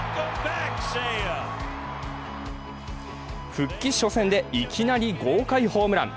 復帰初戦で、いきなり豪快ホームラン。